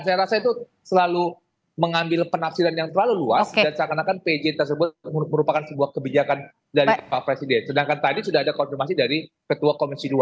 saya rasa itu selalu mengambil penafsiran yang terlalu luas dan seakan akan pj tersebut merupakan sebuah kebijakan dari pak presiden sedangkan tadi sudah ada konfirmasi dari ketua komisi dua